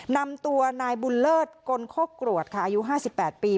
นำตัวนายบุญเลิศกลโฆกรวดค่ะอายุห้าสิบแปดปี